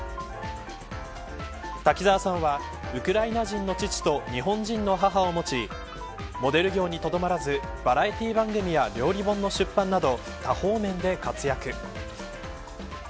滝沢さんはウクライナ人の父と日本人の母を持ちモデル業にとどまらずバラエティー番組や料理本の出版など多方面で活躍。